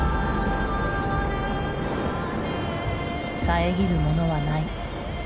遮るものはない。